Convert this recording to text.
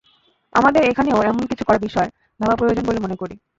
আমাদের এখানেও এমন কিছু করার বিষয় ভাবা প্রয়োজন বলে মনে করি।